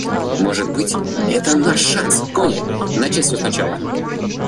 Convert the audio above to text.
Может быть, это наш шанс, Конни, начать все сначала.